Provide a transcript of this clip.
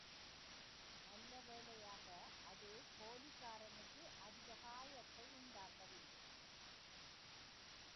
நல்லவேளையாக அது போலீகாரனுக்கு அதிக காயத்தை உண்டாக்கவில்லை.